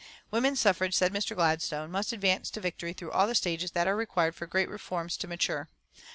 Woman suffrage, said Mr. Gladstone, must advance to victory through all the stages that are required for great reforms to mature.